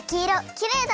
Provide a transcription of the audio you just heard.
きれいだね！